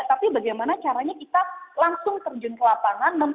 tapi bagaimana caranya kita langsung terjun ke lapangan